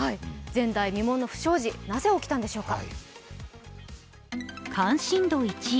前代未聞の不祥事、なぜ起きたんでしょうか。